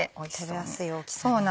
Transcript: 食べやすい大きさに。